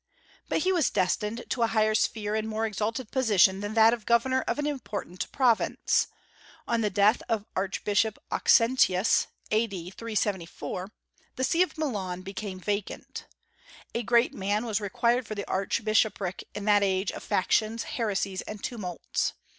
But he was destined to a higher sphere and a more exalted position than that of governor of an important province. On the death of Archbishop Auxentius, A.D. 374, the See of Milan became vacant. A great man was required for the archbishopric in that age of factions, heresies, and tumults.